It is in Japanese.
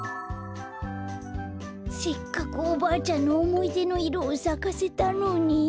せっかくおばあちゃんのおもいでのいろをさかせたのに。